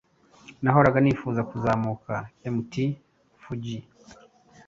Nahoraga nifuza kuzamuka Mt. Fuji.